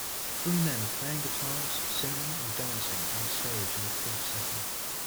Three men are playing guitars, singing, and dancing on a stage in a club setting.